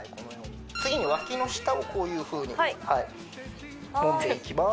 次に脇の下をこういうふうにはいもんでいきます